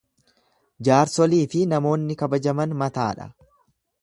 Jaarsolii fi namoonni kabajaman mataa dha.